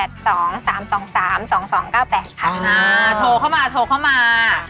โทรเข้ามาโทรเข้ามา